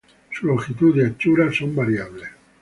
Su longitud y anchura son variables.